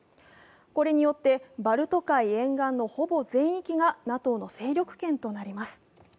これによって、バルト海沿岸のほぼ全域がＮＡＴＯの勢力圏となります。